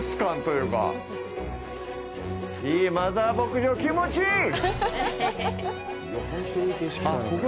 いい、マザー牧場、気持ちいい！